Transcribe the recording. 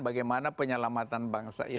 bagaimana penyelamatan bangsa ini